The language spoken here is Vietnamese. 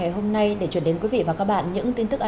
xin chào quý vị khán giả